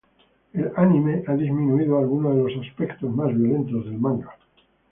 El anime ha disminuido algunos de los aspectos más violentos del manga.